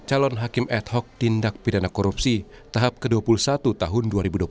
calon hakim ad hoc tindak pidana korupsi tahap ke dua puluh satu tahun dua ribu dua puluh